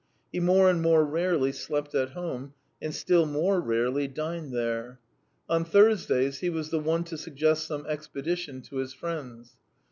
He more and more rarely slept at home, and still more rarely dined there: on Thursdays he was the one to suggest some expedition to his friends.